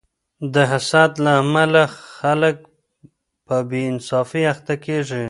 د حسد له امله خلک په بې انصافۍ اخته کیږي.